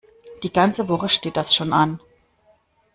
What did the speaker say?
Die ganze Woche steht das schon an.